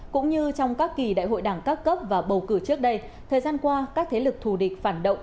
cũng như trong các kỳ đại hội đảng các cấp và bầu cử trước đây thời gian qua các thế lực thù địch phản động